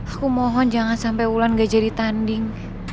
aku mohon jangan sampai ulan nggak jadi tanding